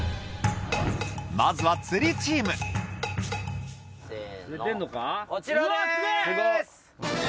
まずは釣りチームせのこちらです。